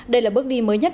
đây là bước đi mới nhất